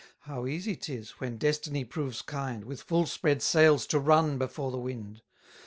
How easy 'tis, when destiny proves kind, With full spread sails to run before the wind!